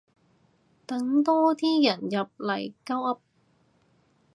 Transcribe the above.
等多啲人入嚟鳩噏